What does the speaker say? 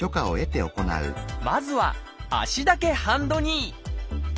まずは「足だけハンドニー」